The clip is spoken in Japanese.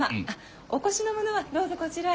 お腰のものはどうぞこちらへ。